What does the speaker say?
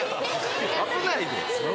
危ないで。